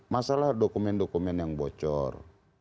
masalah dokumen dokumen yang bocor